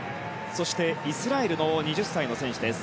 イスラエルの２０歳の選手